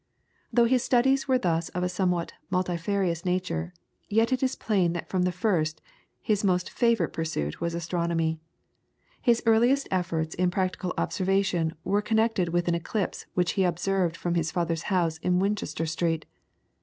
Though his studies were thus of a somewhat multifarious nature, yet it is plain that from the first his most favourite pursuit was astronomy. His earliest efforts in practical observation were connected with an eclipse which he observed from his father's house in Winchester Street.